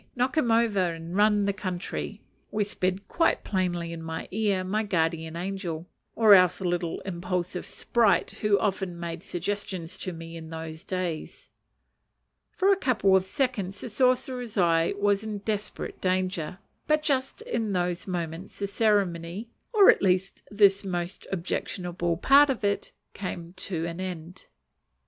knock him over and run the country!" whispered quite plainly in my ear my guardian angel, or else a little impulsive sprite who often made suggestions to me in those days. For a couple of seconds the sorcerer's eye was in desperate danger; but just in those moments the ceremony, or at least this most objectionable part of it, came to an end.